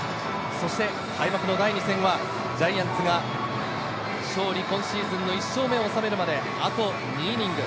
そして開幕の第２戦はジャイアンツが勝利、今シーズンの１勝目を納めるまであと２イニング。